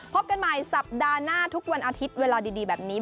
พบกันใหม่สัปดาห์หน้าทุกวันอาทิตย์เวลาดีแบบนี้